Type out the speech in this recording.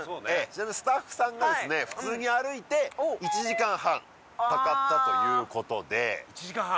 ちなみにスタッフさんがですね普通に歩いて１時間半かかったということで１時間半？